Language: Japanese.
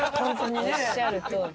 おっしゃるとおり。